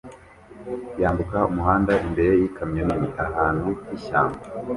yambuka umuhanda imbere yikamyo nini ahantu h'ishyamba